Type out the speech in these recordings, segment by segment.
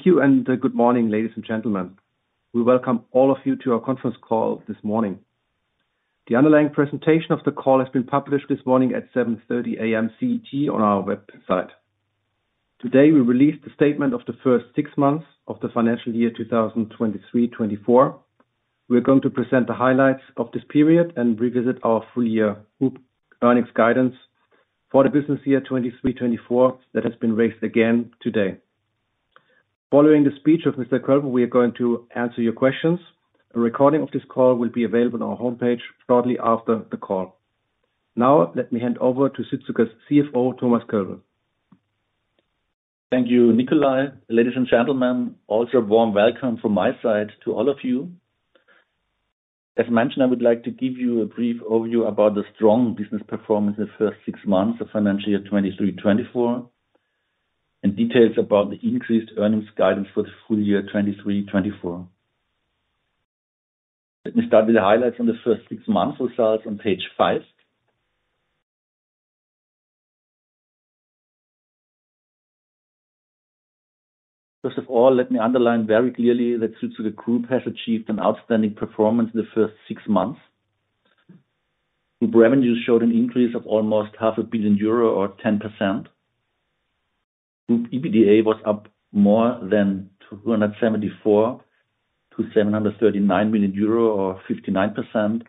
Thank you, and good morning, ladies and gentlemen. We welcome all of you to our conference call this morning. The underlying presentation of the call has been published this morning at 7:30 A.M. CET on our website. Today, we released the statement of the first six months of the financial year 2023-2024. We are going to present the highlights of this period and revisit our full year group earnings guidance for the business year 2023-2024, that has been raised again today. Following the speech of Mr. Kölbl, we are going to answer your questions. A recording of this call will be available on our homepage shortly after the call. Now let me hand over to Südzucker's CFO, Thomas Kölbl. Thank you, Nikolai. Ladies and gentlemen, also a warm welcome from my side to all of you. As mentioned, I would like to give you a brief overview about the strong business performance the first six months of financial year 2023-2024, and details about the increased earnings guidance for the full year 2023-2024. Let me start with the highlights on the first six months, results on page 5. First of all, let me underline very clearly that Südzucker Group has achieved an outstanding performance in the first six months. Group revenues showed an increase of almost 500 million euro or 10%. Group EBITDA was up more than 274-739 million euro, or 59%,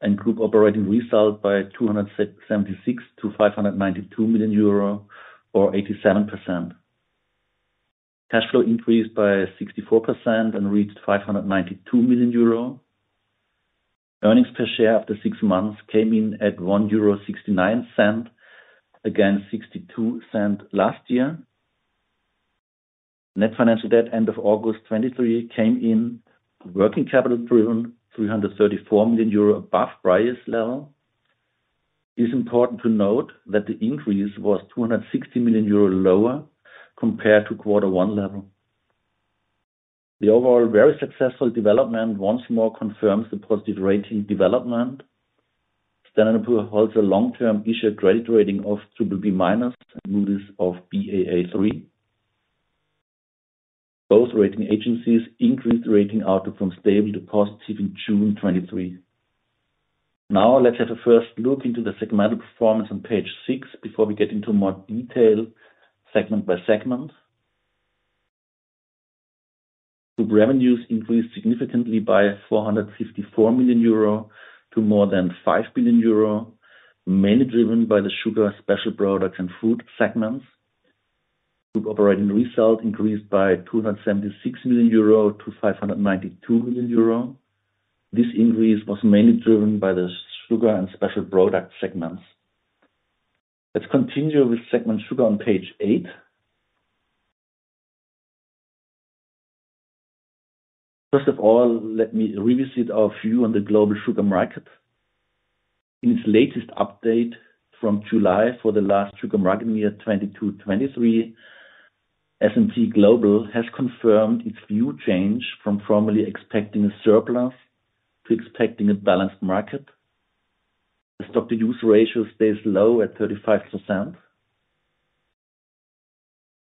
and group operating result by 276-592 million euro, or 87%. Cash flow increased by 64% and reached 592 million euro. Earnings per share after six months came in at 1.69 euro, against 0.62 last year. Net financial debt, end of August 2023, came in working capital driven, 334 million euro above prior's level. It is important to note that the increase was 260 million euro lower compared to quarter one level. The overall very successful development once more confirms the positive rating development. Standard & Poor's holds a long-term issuer credit rating of BBB-, and Moody's of Baa3. Both rating agencies increased the rating outlook from stable to positive in June 2023. Now, let's have a first look into the segmental performance on page six before we get into more detail, segment by segment. Group revenues increased significantly by 454 million euro to more than 5 billion euro, mainly driven by the sugar, special products, and fruit segments. Group operating result increased by 276 million-592 million euro. This increase was mainly driven by the sugar and special product segments. Let's continue with segment sugar on page eight. First of all, let me revisit our view on the global sugar market. In its latest update from July for the last sugar marketing year, 2022-2023, S&P Global has confirmed its view change from formerly expecting a surplus to expecting a balanced market. The stock-to-use ratio stays low at 35%.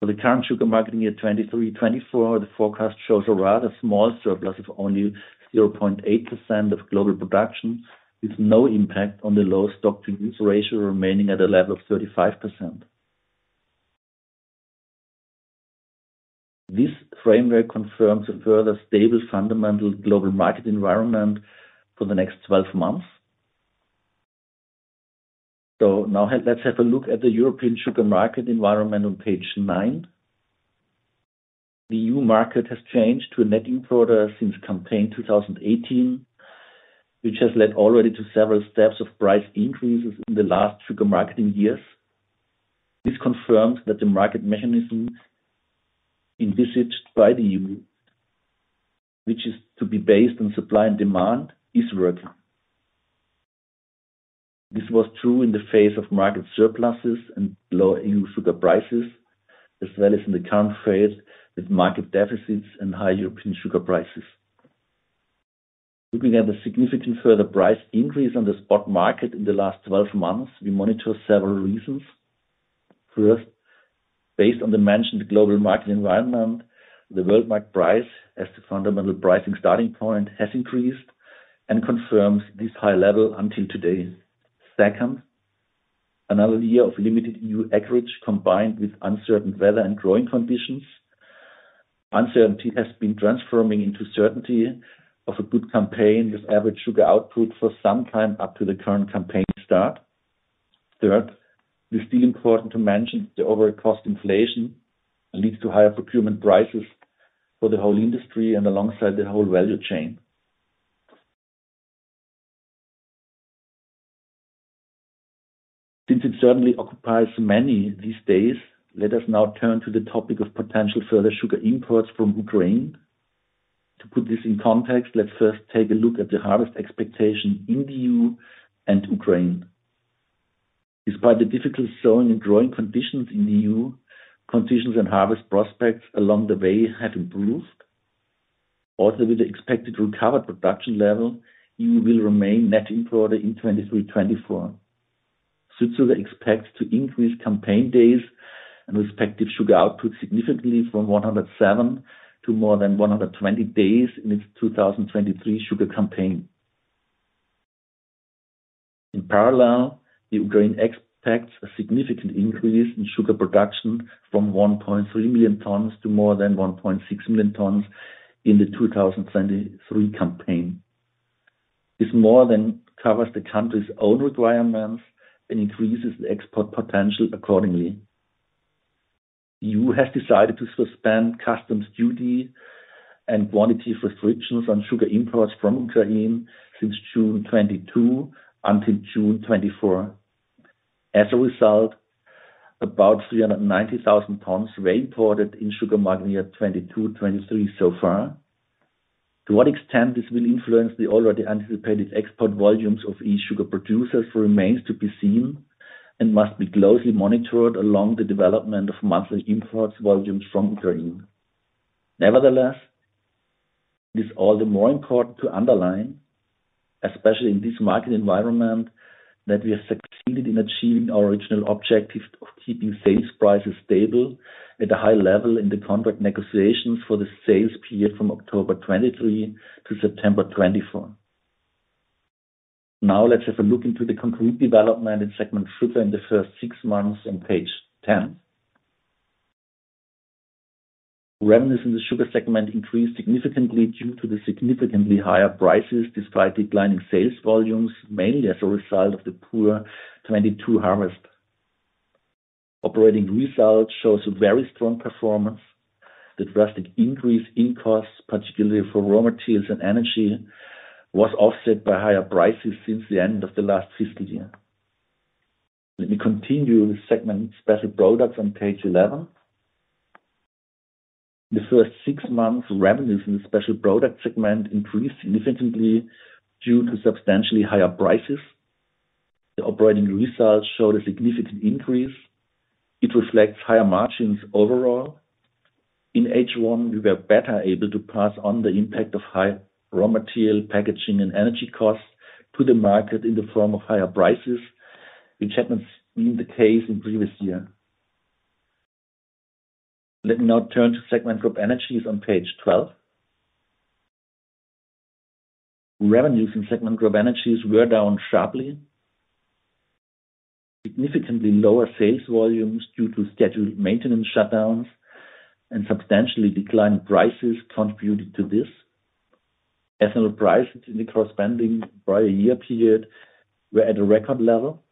For the current sugar marketing year, 2023-2024, the forecast shows a rather small surplus of only 0.8% of global production, with no impact on the low stock-to-use ratio remaining at a level of 35%. This framework confirms a further stable, fundamental global market environment for the next 12 months. Now let's have a look at the European sugar market environment on page nine. The EU market has changed to a net importer since campaign 2018, which has led already to several steps of price increases in the last sugar marketing years. This confirms that the market mechanisms envisaged by the EU, which is to be based on supply and demand, is working. This was true in the face of market surpluses and lower EU sugar prices, as well as in the current phase with market deficits and high European sugar prices. Looking at the significant further price increase on the spot market in the last 12 months, we monitor several reasons. First, based on the mentioned global market environment, the world market price, as the fundamental pricing starting point, has increased and confirms this high level until today. Second, another year of limited EU acreage, combined with uncertain weather and growing conditions. Uncertainty has been transforming into certainty of a good campaign, with average sugar output for some time up to the current campaign start. Third, it is still important to mention the overall cost inflation leads to higher procurement prices for the whole industry and alongside the whole value chain. Since it certainly occupies many these days, let us now turn to the topic of potential further sugar imports from Ukraine. To put this in context, let's first take a look at the harvest expectation in the EU and Ukraine. Despite the difficult sowing and growing conditions in the EU, conditions and harvest prospects along the way have improved. Also, with the expected recovered production level, EU will remain net importer in 2023, 2024. Südzucker expects to increase campaign days and respective sugar output significantly from 107 to more than 120 days in its 2023 sugar campaign. In parallel, Ukraine expects a significant increase in sugar production from 1.3 million tons to more than 1.6 million tons in the 2023 campaign. This more than covers the country's own requirements and increases the export potential accordingly. EU has decided to suspend customs duty and quantity restrictions on sugar imports from Ukraine since June 2022 until June 2024. As a result, about 390,000 tons were imported in sugar market year 2022-2023 so far. To what extent this will influence the already anticipated export volumes of each sugar producer remains to be seen, and must be closely monitored along the development of monthly imports volumes from Ukraine. Nevertheless, it is all the more important to underline, especially in this market environment, that we have succeeded in achieving our original objective of keeping sales prices stable at a high level in the contract negotiations for the sales period from October 2023 to September 2024. Now, let's have a look into the complete development in segment sugar in the first six months on page 10. Revenues in the sugar segment increased significantly due to the significantly higher prices, despite declining sales volumes, mainly as a result of the poor 2022 harvest. Operating results shows a very strong performance. The drastic increase in costs, particularly for raw materials and energy, was offset by higher prices since the end of the last fiscal year. Let me continue with segment special products on page 11. The first six months, revenues in the special product segment increased significantly due to substantially higher prices. The operating results showed a significant increase. It reflects higher margins overall. In H1, we were better able to pass on the impact of high raw material, packaging and energy costs to the market in the form of higher prices, which hadn't been the case in previous year. Let me now turn to segment CropEnergies on page 12. Revenues in segment CropEnergies were down sharply. Significantly lower sales volumes due to scheduled maintenance shutdowns and substantially declined prices contributed to this. Ethanol prices in the corresponding prior year period were at a record level.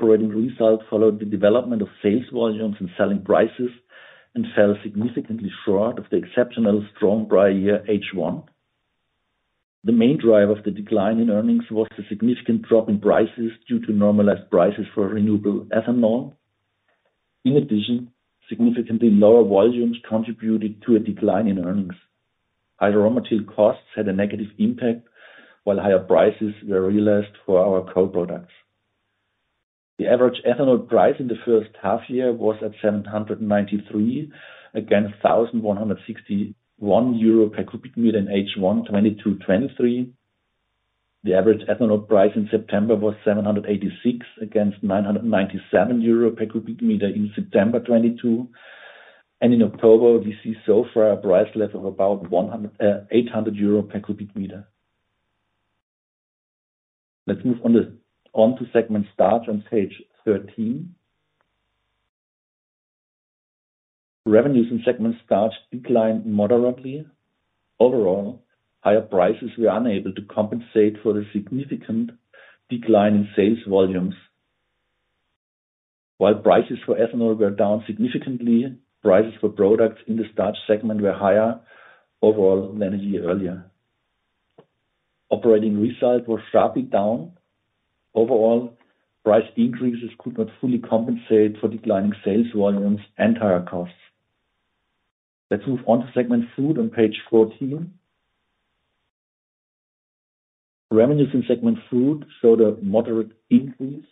Operating results followed the development of sales volumes and selling prices and fell significantly short of the exceptionally strong prior year H1. The main driver of the decline in earnings was the significant drop in prices due to normalized prices for renewable ethanol. In addition, significantly lower volumes contributed to a decline in earnings. Higher raw material costs had a negative impact, while higher prices were realized for our co-products. The average ethanol price in the first half year was at 793, against 1,161 euro per cubic meter in H1 2022-2023. The average ethanol price in September was 786, against 997 euro per cubic meter in September 2022, and in October, we see so far a price level of about 800 euro per cubic meter. Let's move on to segment starch on page 13. Revenues in segment starch declined moderately. Overall, higher prices were unable to compensate for the significant decline in sales volumes. While prices for ethanol were down significantly, prices for products in the starch segment were higher overall than a year earlier. Operating results were sharply down. Overall, price increases could not fully compensate for declining sales volumes and higher costs. Let's move on to segment fruit on page 14. Revenues in segment fruit showed a moderate increase.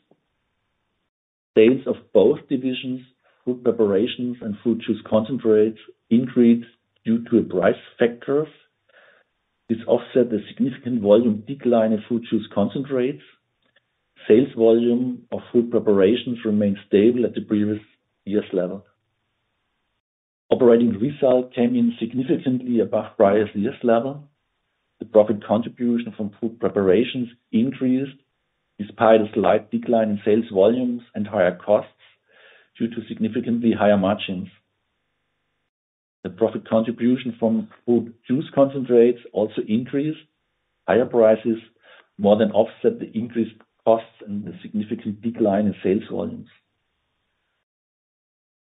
Sales of both divisions, fruit preparations and fruit juice concentrates, increased due to price factors. This offset a significant volume decline in fruit juice concentrates. Sales volume of fruit preparations remained stable at the previous year's level. Operating results came in significantly above prior year's level. The profit contribution from fruit preparations increased, despite a slight decline in sales volumes and higher costs due to significantly higher margins. The profit contribution from fruit juice concentrates also increased. Higher prices more than offset the increased costs and the significant decline in sales volumes.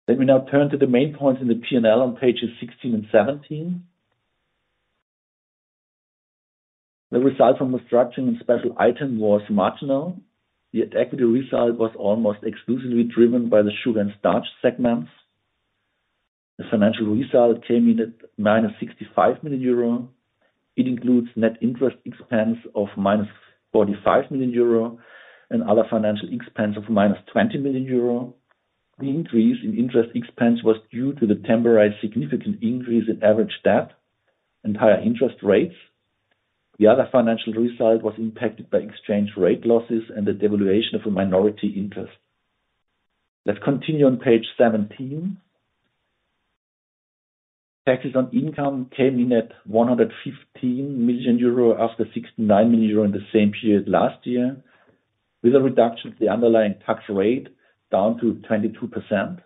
Let me now turn to the main points in the P&L on pages 16 and 17. The result from restructuring and special item was marginal, yet equity result was almost exclusively driven by the sugar and starch segments. The financial result came in at 965 million euro. It includes net interest expense of -45 million euro and other financial expense of -20 million euro. The increase in interest expense was due to the temporary significant increase in average debt and higher interest rates. The other financial result was impacted by exchange rate losses and the devaluation of a minority interest. Let's continue on page 17. Taxes on income came in at 115 million euro, after 69 million euro in the same period last year, with a reduction to the underlying tax rate down to 22%.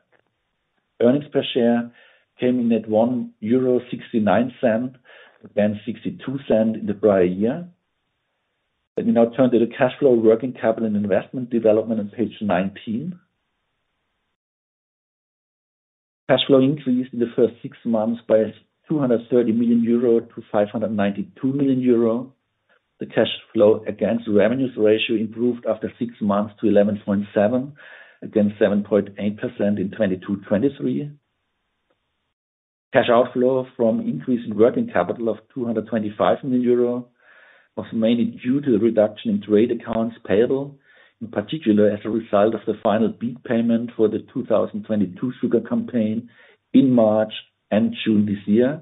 Earnings per share came in at €1.69, then €0.62 in the prior year. Let me now turn to the cash flow, working capital and investment development on page 19. Cash flow increased in the first six months by 230 million-592 million euro. The cash flow against revenues ratio improved after six months to 11.7 against 7.8% in 2022-2023. Cash outflow from increase in working capital of 225 million euro was mainly due to a reduction in trade accounts payable, in particular, as a result of the final beet payment for the 2022 sugar campaign in March and June this year,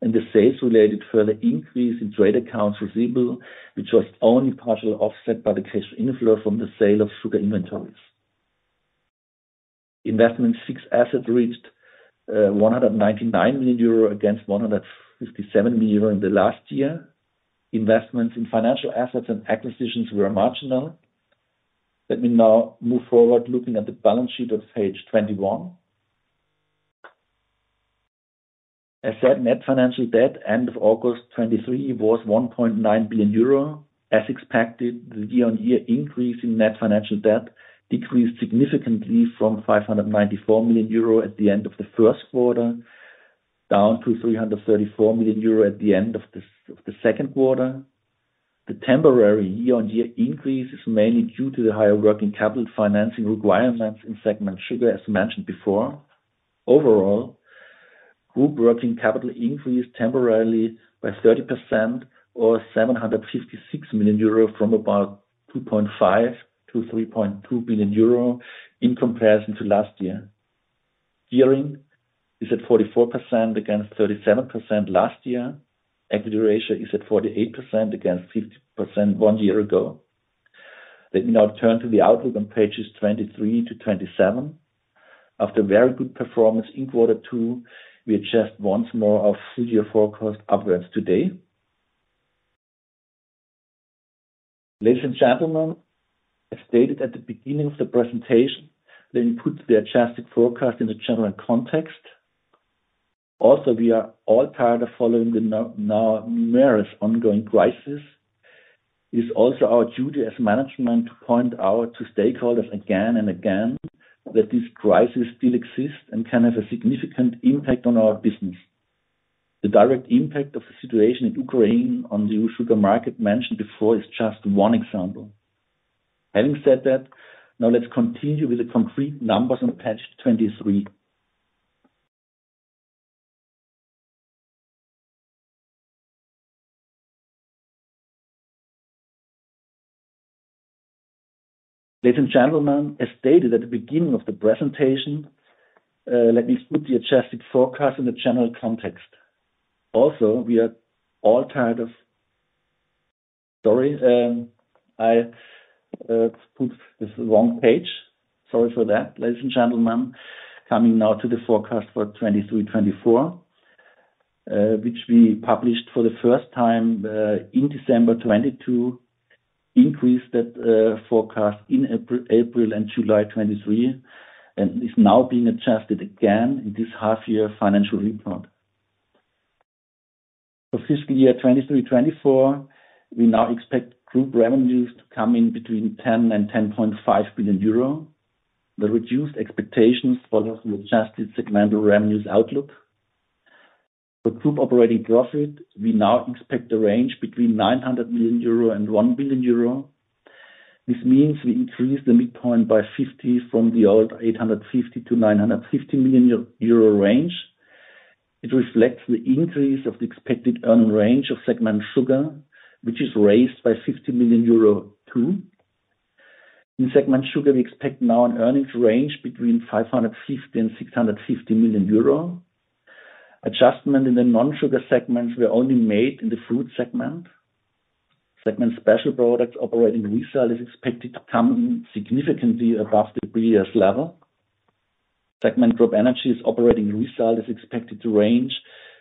and the sales-related further increase in trade accounts receivable, which was only partially offset by the cash inflow from the sale of sugar inventories. Investments in fixed assets reached 199 million euro against 157 million euro in the last year. Investments in financial assets and acquisitions were marginal. Let me now move forward, looking at the balance sheet of page 21. As said, net financial debt, end of August 2023, was 1.9 billion euro. As expected, the year-on-year increase in net financial debt decreased significantly from 594 million euro at the end of the first quarter, down to 334 million euro at the end of the second quarter. The temporary year-on-year increase is mainly due to the higher working capital financing requirements in segment sugar, as mentioned before. Overall, group working capital increased temporarily by 30% or 756 million euro, from about 2.5 billion-3.2 billion euro in comparison to last year. Gearing is at 44% against 37% last year. Equity ratio is at 48% against 50% one year ago. Let me now turn to the outlook on pages 23-27. After very good performance in quarter two, we adjust once more our full year forecast upwards today. Ladies and gentlemen, as stated at the beginning of the presentation, let me put the adjusted forecast in the general context. Also, we are all tired of following the now numerous ongoing crisis. It is also our duty as management to point out to stakeholders again and again, that this crisis still exists and can have a significant impact on our business. The direct impact of the situation in Ukraine on the sugar market mentioned before, is just one example. Having said that, now let's continue with the concrete numbers on page 23. Ladies and gentlemen, as stated at the beginning of the presentation, let me put the adjusted forecast in the general context. Also, we are all tired of. Sorry, I put this wrong page. Sorry for that, ladies and gentlemen. Coming now to the forecast for 2023-2024, which we published for the first time in December 2022, increased that forecast in April and July 2023, and is now being adjusted again in this half year financial report. For fiscal year 2023-2024, we now expect group revenues to come in between 10 billion and 10.5 billion euro. The reduced expectations follow from adjusted segmental revenues outlook. For group operating profit, we now expect the range between 900 million euro and 1 billion euro. This means we increase the midpoint by 50, from the old 850 million-950 million euro range. It reflects the increase of the expected earnings range of segment sugar, which is raised by 50 million euro too. In segment sugar, we expect now an earnings range between 550 million-650 million euro. Adjustment in the non-sugar segments were only made in the fruit segment. Segment special products operating result is expected to come in significantly above the previous level. Segment CropEnergies operating result is expected to range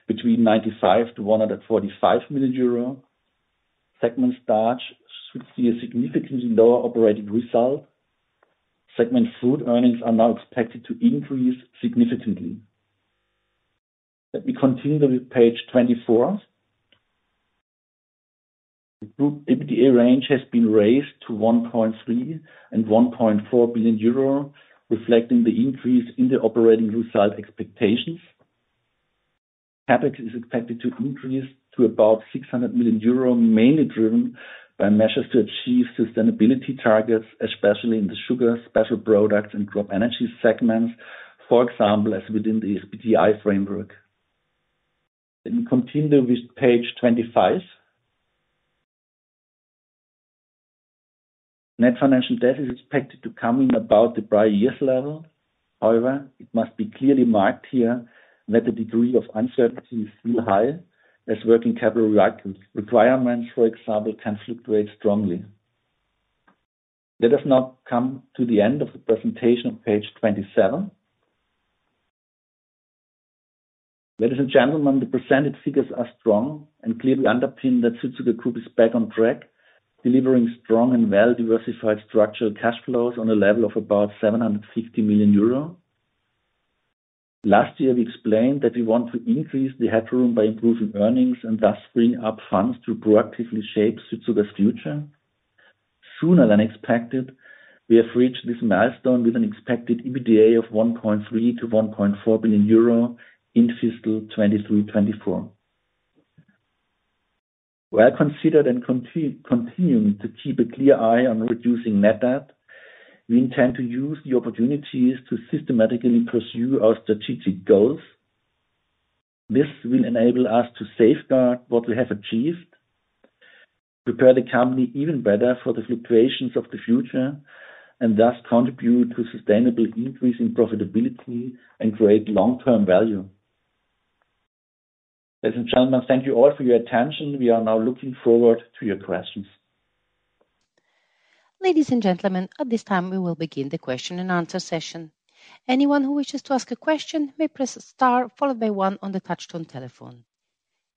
between 95 million-145 million euro. Segment starch should see a significantly lower operating result. Segment fruit earnings are now expected to increase significantly. Let me continue then with page 24. The group EBITDA range has been raised to 1.3 billion-1.4 billion euro, reflecting the increase in the operating result expectations. CapEx is expected to increase to about 600 million euro, mainly driven by measures to achieve sustainability targets, especially in the sugar, special products, and CropEnergies segments. For example, as within the SBTi framework. Continue with page 25. Net financial debt is expected to come in about the prior year's level. However, it must be clearly marked here that the degree of uncertainty is still high, as working capital requirements, for example, can fluctuate strongly. Let us now come to the end of the presentation on page 27. Ladies and gentlemen, the percentage figures are strong and clearly underpin that Südzucker Group is back on track, delivering strong and well-diversified structural cash flows on a level of about 750 million euro. Last year, we explained that we want to increase the headroom by improving earnings and thus bring up funds to proactively shape Südzucker's future. Sooner than expected, we have reached this milestone with an expected EBITDA of 1.3 billion-1.4 billion euro in fiscal 2023-2024. Well-considered and continuing to keep a clear eye on reducing net debt, we intend to use the opportunities to systematically pursue our strategic goals. This will enable us to safeguard what we have achieved, prepare the company even better for the fluctuations of the future, and thus contribute to sustainable increase in profitability and create long-term value. Ladies and gentlemen, thank you all for your attention. We are now looking forward to your questions. Ladies and gentlemen, at this time, we will begin the question and answer session. Anyone who wishes to ask a question may press star followed by one on the touchtone telephone.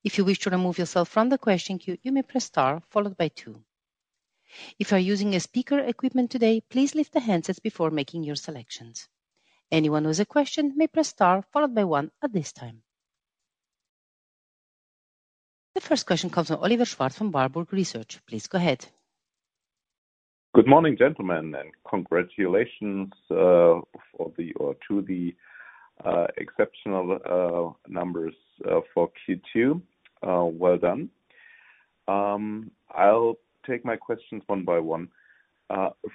If you wish to remove yourself from the question queue, you may press star followed by two. If you are using a speakerphone today, please lift the handsets before making your selections. Anyone who has a question may press star followed by one at this time. The first question comes from Oliver Schwarz from Warburg Research. Please go ahead. Good morning, gentlemen, and congratulations for the exceptional numbers for Q2. Well done. I'll take my questions one by one.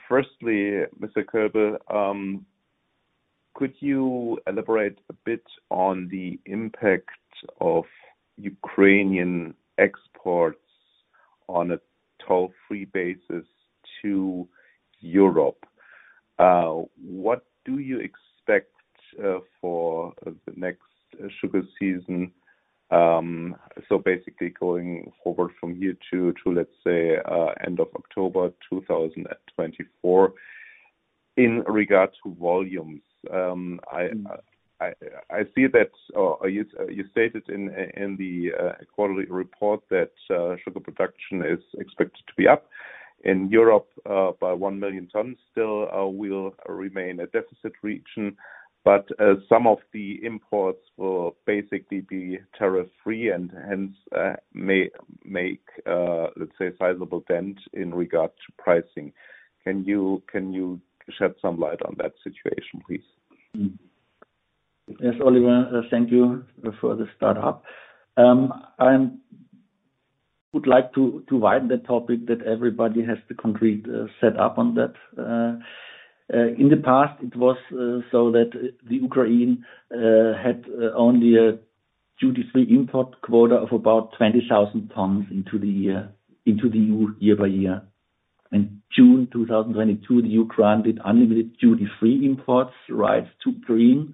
Firstly, Mr. Kölbl, could you elaborate a bit on the impact of Ukrainian exports on a duty-free basis to Europe? What do you expect for the next sugar season? So basically going over from year two to, let's say, end of October 2024, in regard to volumes. I see that you stated in the quarterly report that sugar production is expected to be up in Europe by one million tons, still will remain a deficit region, but some of the imports will basically be tariff free and hence may make, let's say, a sizable dent in regard to pricing. Can you shed some light on that situation, please? Yes, Oliver, thank you for the start up. I would like to widen the topic that everybody has the concrete set up on that. In the past, it was so that the Ukraine had only a duty-free import quota of about 20,000 tons into the year, into the EU year-by-year. In June 2022, the EU granted unlimited duty-free imports rights to Ukraine,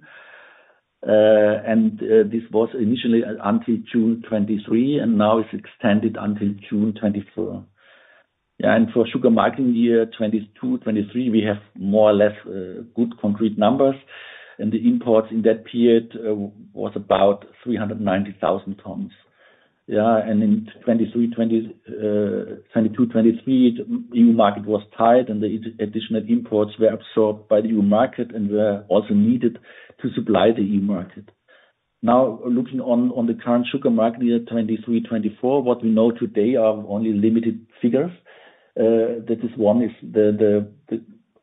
and this was initially until June 2023, and now it's extended until June 2024. And for sugar marketing year 2022-2023, we have more or less good concrete numbers, and the imports in that period was about 390,000 tons. Yeah, in 2023, 2022-2023, the EU market was tight and the additional imports were absorbed by the EU market and were also needed to supply the EU market. Now, looking on the current sugar market year 2023-2024, what we know today are only limited figures. That is, one is the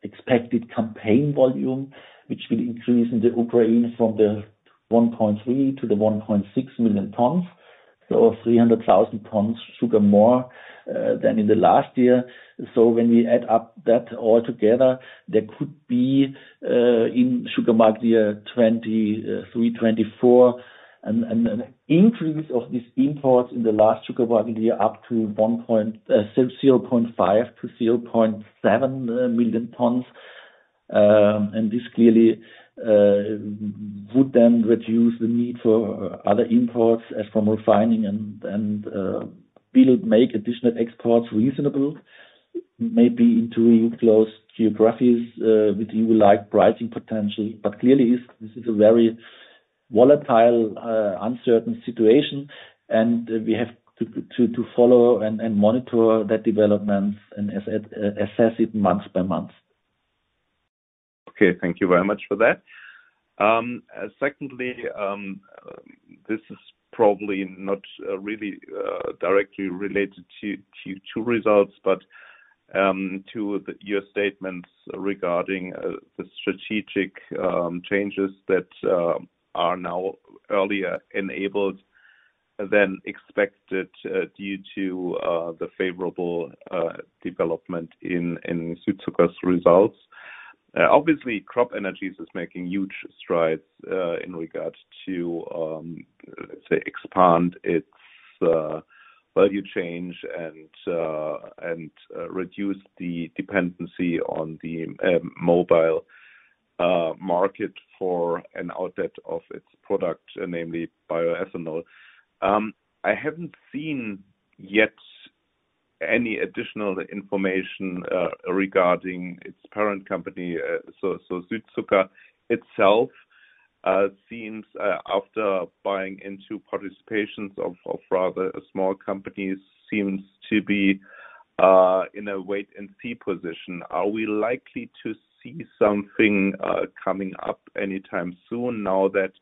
expected campaign volume, which will increase in Ukraine from 1.3-1.6 million tons, so 300,000 tons sugar more than in the last year. When we add up that all together, there could be, in sugar market year 2023-2024, an increase of this import in the last sugar market year, up to 0.5-0.7 million tons. And this clearly would then reduce the need for other imports as from refining and will make additional exports reasonable, maybe into close geographies, which you like pricing potential. But clearly, this is a very volatile, uncertain situation, and we have to follow and monitor that development and assess it month by month. Okay, thank you very much for that. Secondly, this is probably not really directly related to results, but to your statements regarding the strategic changes that are now earlier enabled than expected due to the favorable development in Südzucker's results. Obviously, CropEnergies is making huge strides in regards to, let's say, expand its value chain and reduce the dependency on the mobile market for an outlet of its product, namely bioethanol. I haven't seen yet any additional information regarding its parent company, so Südzucker itself seems after buying into participations of rather small companies seems to be in a wait-and-see position. Are we likely to see something coming up anytime soon now that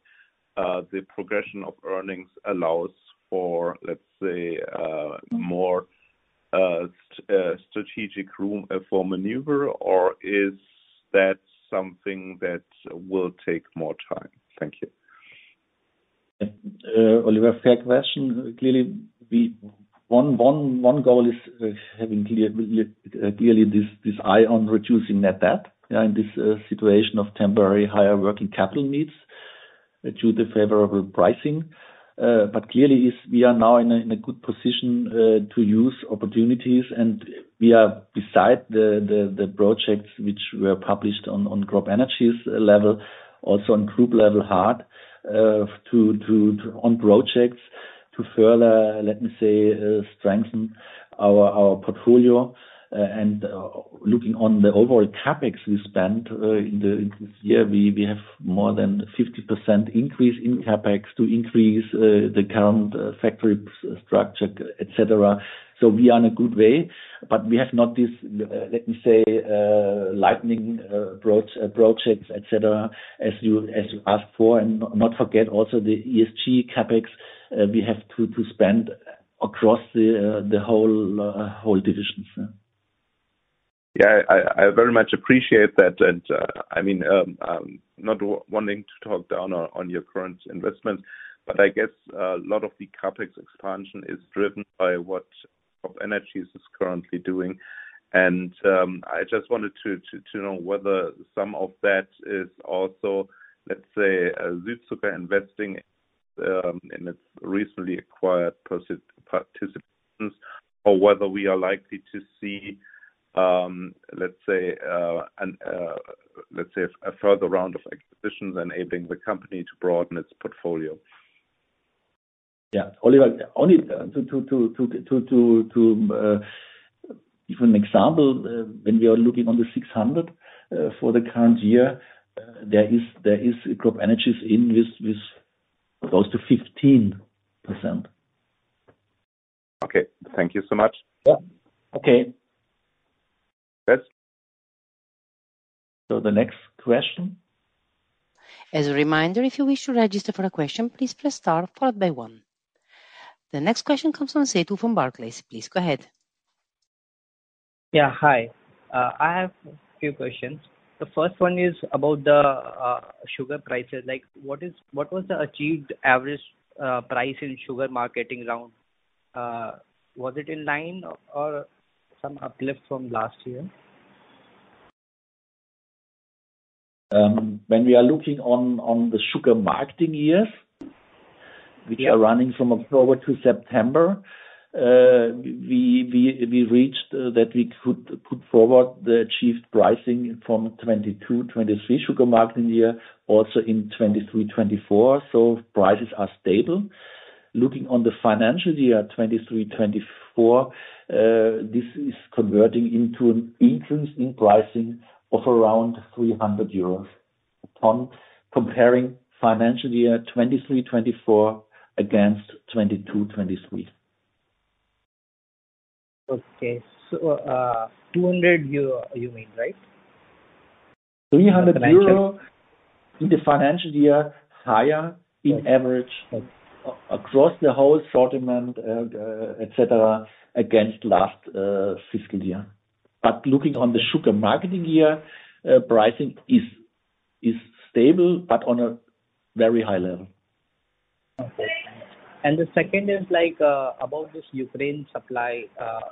the progression of earnings allows for, let's say, more strategic room for maneuver, or is that something that will take more time? Thank you. Oliver, fair question. Clearly, we-- one, one, one goal is, is having clear, clear, clearly this, this eye on reducing net debt, in this situation of temporary higher working capital needs due to favorable pricing. Clearly, we are now in a good position to use opportunities, and we are beside the projects which were published on CropEnergies level, also on group level hard, to, to, on projects to further, let me say, strengthen our portfolio. Looking on the overall CapEx we spent in this year, we have more than 50% increase in CapEx to increase the current factory structure, et cetera. So we are in a good way, but we have not this, let me say, lightning approach projects, et cetera, as you as you asked for. And not forget also the ESG CapEx, we have to spend across the whole divisions. Yeah, I very much appreciate that, and I mean, not wanting to talk down on your current investment, but I guess a lot of the CapEx expansion is driven by what CropEnergies is currently doing. And I just wanted to know whether some of that is also, let's say, Südzucker investing in its recently acquired participations, or whether we are likely to see, let's say, a further round of acquisitions enabling the company to broaden its portfolio. Yeah. Oliver, only to give an example, when we are looking on the 600 for the current year, there is CropEnergies in with close to 15%. Okay. Thank you so much. Yeah. Okay. Thanks. The next question? As a reminder, if you wish to register for a question, please press star followed by one. The next question comes from Setu from Barclays. Please go ahead. Yeah, hi. I have a few questions. The first one is about the sugar prices. Like, what is, what was the achieved average price in sugar marketing round? Was it in line or some uplift from last year? When we are looking on the sugar marketing years, we are running from October to September. We reached that we could put forward the achieved pricing from 2022-2023 sugar marketing year, also in 2023-2024, so prices are stable. Looking on the financial year 2023-2024, this is converting into an increase in pricing of around 300 euros on comparing financial year 2023-2024 against 2022-2023. Okay. So, 200 euro, you mean, right? 300 euro in the financial year, higher on average across the whole assortment, et cetera, against last fiscal year. But looking on the sugar marketing year, pricing is stable, but on a very high level. Okay. And the second is like, about this Ukraine supply.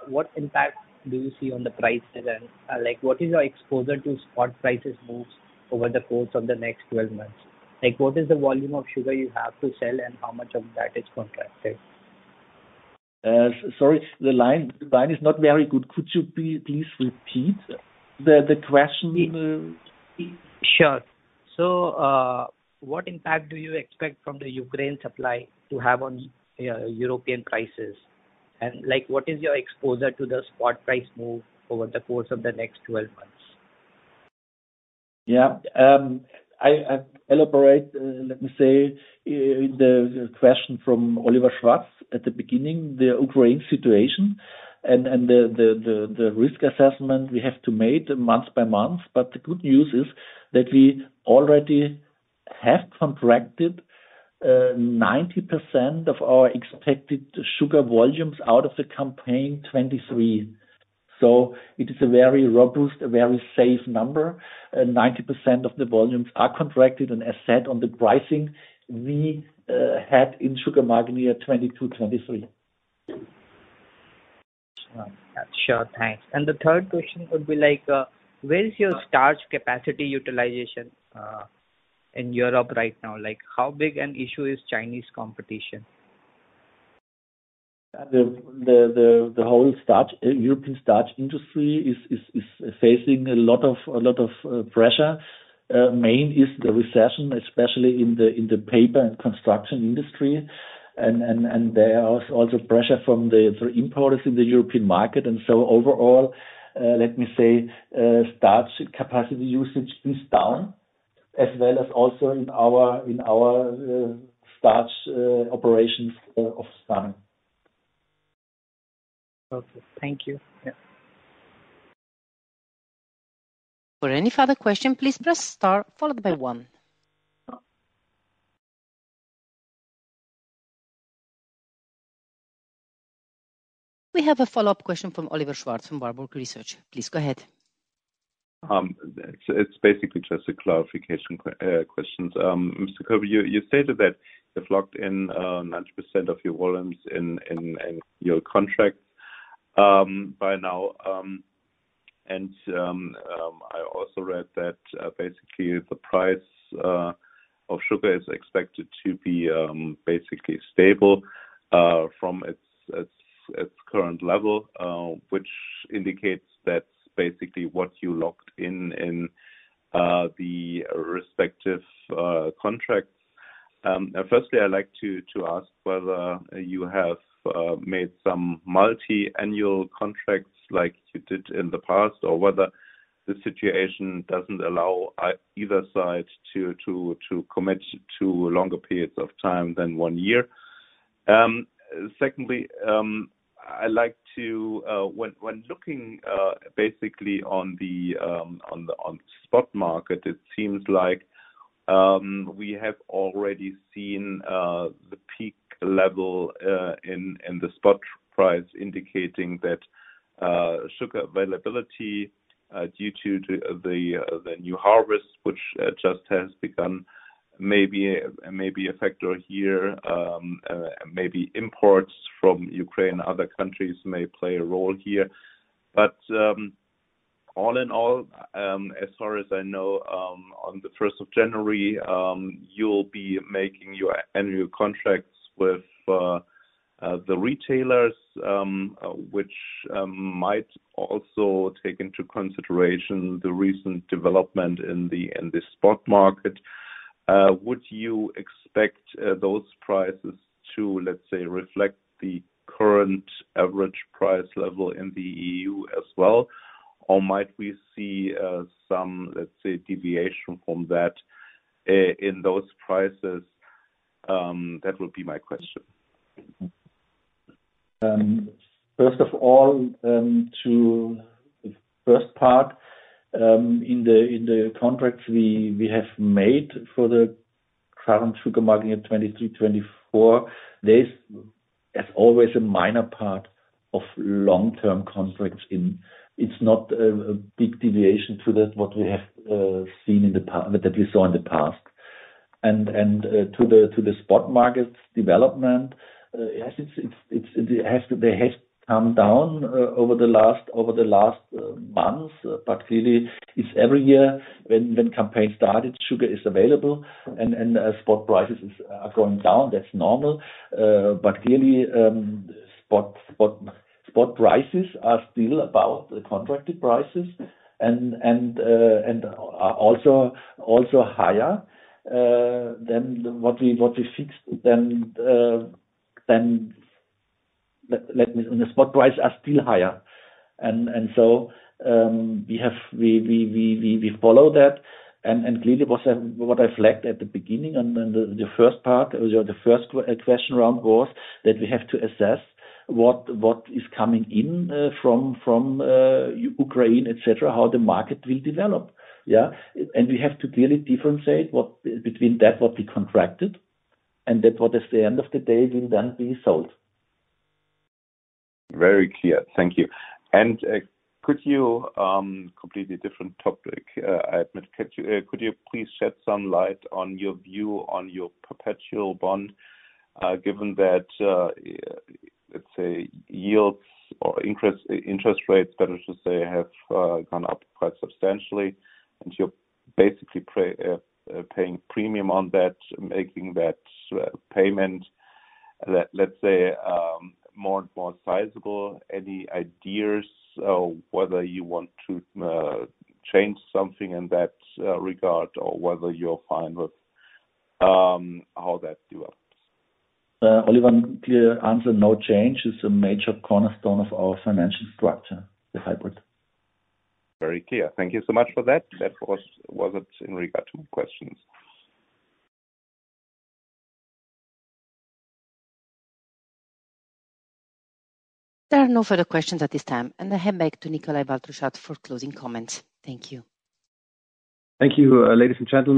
What impact do you see on the prices and, like, what is your exposure to spot prices moves over the course of the next 12 months? Like, what is the volume of sugar you have to sell, and how much of that is contracted? Sorry, the line, the line is not very good. Could you please repeat the, the question? Sure. So, what impact do you expect from the Ukraine supply to have on European prices? And like, what is your exposure to the spot price move over the course of the next 12 months? Yeah. I elaborate, let me say, in the question from Oliver Schwarz at the beginning, the Ukraine situation and the risk assessment we have to make month by month. But the good news is that we already have contracted 90% of our expected sugar volumes out of the campaign 2023. So it is a very robust, a very safe number, and 90% of the volumes are contracted and as said on the pricing we had in sugar market year 2022-2023. Sure, thanks. And the third question would be like, where is your starch capacity utilization in Europe right now? Like, how big an issue is Chinese competition? The whole European starch industry is facing a lot of pressure. Main is the recession, especially in the paper and construction industry, and there is also pressure from the importers in the European market. Overall, let me say, starch capacity usage is down, as well as also in our starch operations. Okay, thank you. Yeah. For any further question, please press Star followed by one. We have a follow-up question from Oliver Schwarz, from Warburg Research. Please go ahead. It's basically just a clarification questions. Mr. Kölbl, you stated that you've locked in 90% of your volumes in your contract by now, and I also read that basically the price of sugar is expected to be basically stable from its current level, which indicates that's basically what you locked in in the respective contracts. Firstly, I'd like to ask whether you have made some multi-annual contracts like you did in the past, or whether the situation doesn't allow either side to commit to longer periods of time than one year. Secondly, I'd like to, when looking basically on the spot market, it seems like we have already seen the peak level in the spot price, indicating that sugar availability due to the new harvest, which just has begun, may be a factor here. Maybe imports from Ukraine and other countries may play a role here. But all in all, as far as I know, on the first of January, you'll be making your annual contracts with the retailers, which might also take into consideration the recent development in the spot market. Would you expect those prices to, let's say, reflect the current average price level in the EU as well? Or might we see some, let's say, deviation from that in those prices? That would be my question. First of all, to the first part, in the contracts we have made for the current sugar market at 2023-2024, there's as always, a minor part of long-term contracts in... It's not a big deviation to that, what we have seen in the past, that we saw in the past. And to the spot markets development, yes, it's, it has to - they have come down over the last months. But really, it's every year when campaign started, sugar is available and spot prices are going down, that's normal. But really, spot prices are still about the contracted prices and are also higher than what we fixed then, than... Let me, the spot prices are still higher. We have, we follow that, and clearly what I flagged at the beginning and the first part or the first question around was, that we have to assess what is coming in from Ukraine, et cetera, how the market will develop. Yeah, and we have to clearly differentiate what, between that what we contracted and that what, at the end of the day, will then be sold. Very clear. Thank you. And, could you, completely different topic, I admit. Could you please shed some light on your view on your perpetual bond, given that, let's say, yields or interest, interest rates, better to say, have gone up quite substantially, and you're basically paying premium on that, making that payment, let's say, more and more sizable. Any ideas on whether you want to change something in that regard, or whether you're fine with how that develops? Oliver, clear answer, no change. It's a major cornerstone of our financial structure, the hybrid. Very clear. Thank you so much for that. That was. Was it in regard to questions? There are no further questions at this time, and I hand back to Nikolai Baltruschat for closing comments. Thank you. Thank you, ladies and gentlemen.